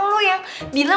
kau mau kemana